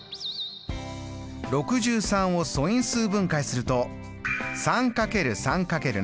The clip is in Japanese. ６３を素因数分解すると３×３×７。